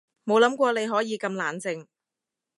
冇諗過你可以咁冷靜